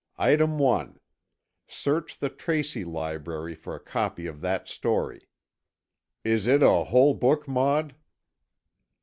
Item one. Search the Tracy library for a copy of that story. Is it a whole book, Maud?"